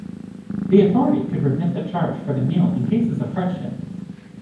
The authority could remit the charge for the meal in cases of hardship.